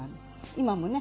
今もね